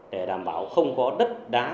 để đảm bảo không có đất đá